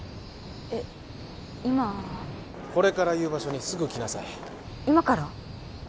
えっ今これから言う場所にすぐ来なさい今から？